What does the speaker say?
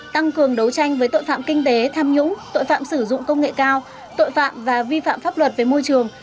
tăng cường đấu tranh với tội phạm kinh tế tham nhũng tội phạm sử dụng công nghệ cao tội phạm và vi phạm pháp luật về môi trường